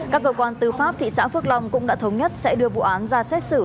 các cơ quan tư pháp thị xã phước long cũng đã thống nhất sẽ đưa vụ án ra xét xử